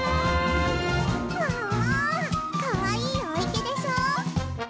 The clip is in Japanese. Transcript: ももかわいいおいけでしょ？